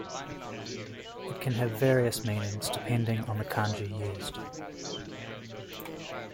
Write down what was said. It can have various meanings depending on the Kanji used.